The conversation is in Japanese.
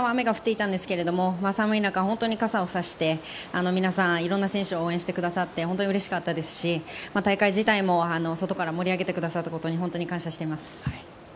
けさは雨が降っていましたが寒い中、本当に傘をさして皆さん、いろんな選手を応援してくださって本当にうれしかったですし、大会自体も外から盛り上げてくださったことに感謝しています。